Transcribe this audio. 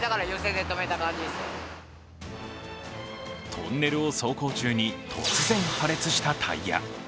トンネルを走行中に突然、破裂したタイヤ。